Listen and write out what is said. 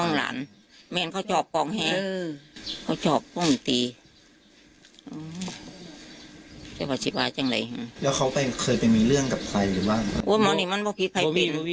งานแบบนี้น้องชอบไป